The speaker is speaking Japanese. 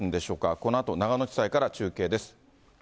このあと長野地裁から中継です。